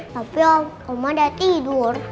tapi oma udah tidur